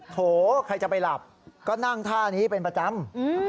โถใครจะไปหลับก็นั่งท่านี้เป็นประจำ